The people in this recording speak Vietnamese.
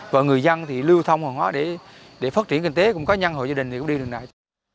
và người dân thì lưu thông hoàn hóa để phát triển kinh tế cũng có nhân hội gia đình thì cũng đi đường này